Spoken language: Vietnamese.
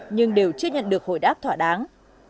nhưng đều chưa nhận được hồi đáp thỏa đáng